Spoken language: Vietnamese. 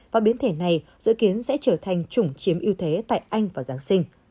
và biến thể này dự kiến sẽ trở thành chủng chiếm ưu thế tại anh vào giáng sinh